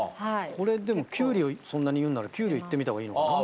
これでもキュウリをそんなに言うんならキュウリを行ってみたほうがいいのかな？